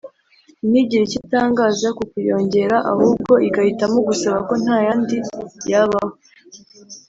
ntigire icyo itangaza ku kuyongera ahubwo igahitamo gusaba ko nta yandi yabaho